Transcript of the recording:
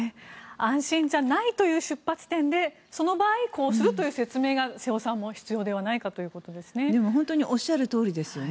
安心じゃないという出発点でその場合、こうするという説明が瀬尾さんも必要ではないかということですね。